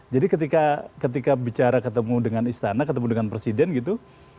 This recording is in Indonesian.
jadi ketika bicara ketemu dengan istana ketemu dengan presiden gitu